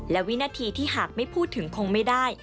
และวินาทีที่หากไม่พูดถึงคงไม่ได้